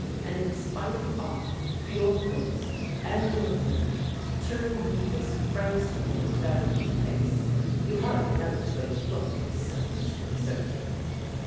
And in spite of all, your Goldsmith and your Vicar turn you this phrase to your very face. You hardly know which way to look; it is so disconcerting.